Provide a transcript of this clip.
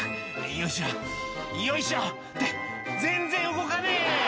「よいしょよいしょって全然動かねえ！」